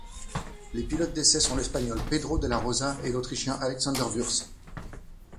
Les pilotes d'essais sont l'Espagnol Pedro de la Rosa et l'Autrichien Alexander Wurz.